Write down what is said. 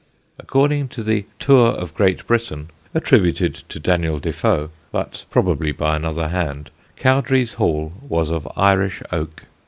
According to the Tour of Great Britain, attributed to Daniel Defoe, but probably by another hand, Cowdray's hall was of Irish oak.